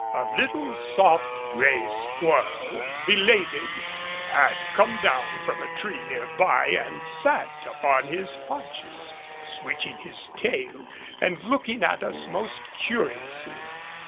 A little soft gray squirrel, belated, had come down from a tree near by and sat upon his haunches, switching his tail and looking at us most curiously.